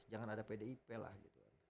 jangan ada pdip lah gitu